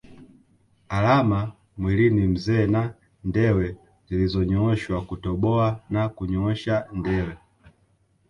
Alama mwilini mzee na ndewe zilizonyooshwa Kutoboa na kunyosha ndewe